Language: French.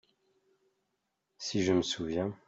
Si je me souviens !…